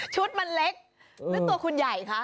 ชุดมันเล็กนึกตัวคุณใหญ่คะ